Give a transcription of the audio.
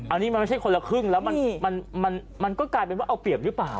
อันนี้มันไม่ใช่คนละครึ่งแล้วมันก็กลายเป็นว่าเอาเปรียบหรือเปล่า